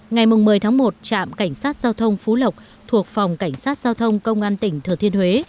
ngày một mươi tháng một trạm cảnh sát giao thông phú lộc thuộc phòng cảnh sát giao thông công an tỉnh thừa thiên huế